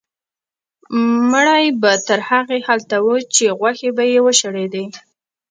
مړی به تر هغې هلته و چې غوښې به یې وشړېدې.